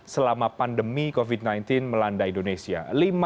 selama pandemi covid sembilan belas melanda indonesia